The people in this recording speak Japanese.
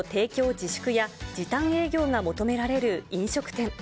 自粛や時短営業が求められる飲食店。